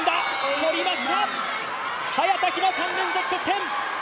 取りました、早田ひな、３連続得点。